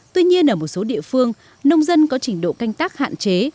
tuy nhiên ở một số địa phương nông dân có trình độ canh tác hạn chế